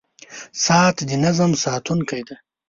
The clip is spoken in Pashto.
• ساعت د نظم ساتونکی دی.